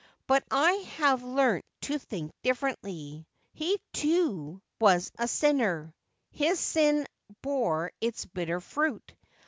But I have learnt to think differently. He, too, was a sinner — his sin bore its bitter fruit.